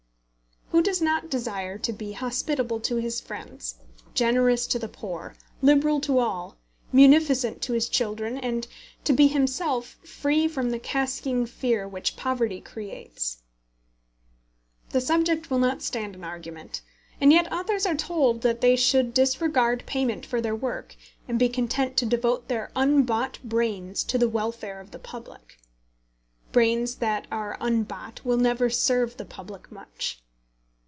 Who does not desire to be hospitable to his friends, generous to the poor, liberal to all, munificent to his children, and to be himself free from the carking fear which poverty creates? The subject will not stand an argument; and yet authors are told that they should disregard payment for their work, and be content to devote their unbought brains to the welfare of the public. Brains that are unbought will never serve the public much.